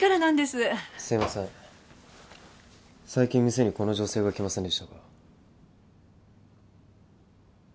すいません最近店にこの女性が来ませんでしたか？